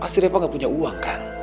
pasti reva gak punya uang kan